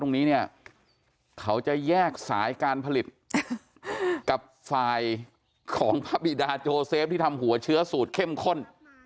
ตรงนี้เนี่ยเขาจะแยกสายการผลิตกับฝ่ายของพระบิดาโจเซฟที่ทำหัวเชื้อสูตรเข้มข้น